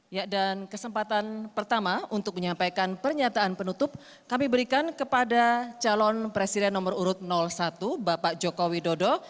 ya dan kesempatan pertama untuk menyampaikan pernyataan penutup kami berikan kepada calon presiden nomor urut satu bapak joko widodo